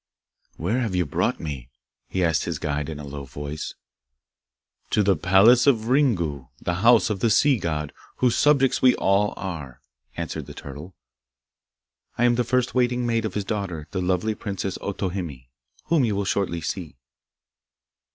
'Where have you brought me?' he asked his guide in a low voice. 'To the palace of Ringu, the house of the sea god, whose subjects we all are,' answered the turtle. 'I am the first waiting maid of his daughter, the lovely princess Otohime, whom you will shortly see.